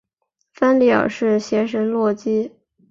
芬里尔是邪神洛基。